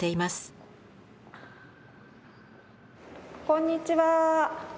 こんにちは。